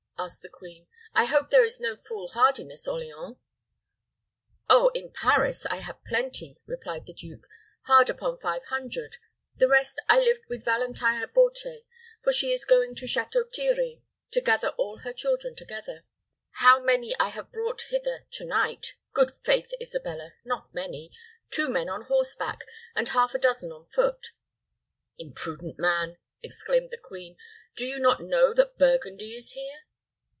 asked the queen. "I hope there is no fool hardiness, Orleans?" "Oh, in Paris I have plenty," replied the duke; "hard upon five hundred. The rest I left with Valentine at Beauté, for she is going to Château Thierry to gather all her children together. But if you mean how many I have brought hither to night, good faith! Isabella, not many two men on horseback, and half a dozen on foot." "Imprudent man!" exclaimed the queen. "Do you not know that Burgundy is here?"